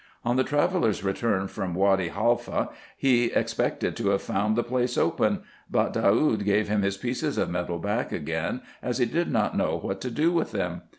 On the traveller's return from Wady Haifa, he expected to have found the place open ; but Daoud gave him his pieces of metal back again, as he did not know what to do with them.